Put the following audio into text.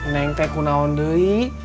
neng teh kuna underi